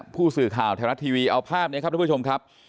ผู้สื่อข่าวแถวรับทีวีเอาภาพเบี้ยนนะครับทุก๑ชมครับ